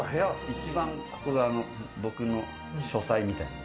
一番ここが僕の書斎みたいな。